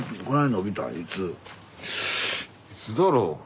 いつだろう？